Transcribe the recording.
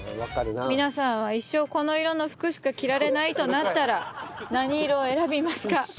皆さんは一生この色の服しか着られないとなったら何色を選びますか？